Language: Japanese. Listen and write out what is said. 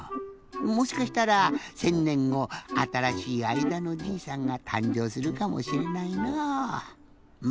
もしかしたら１，０００ねんごあたらしい「あいだのじいさん」がたんじょうするかもしれないのう。